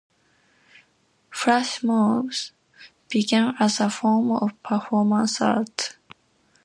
Flash mobs began as a form of performance art.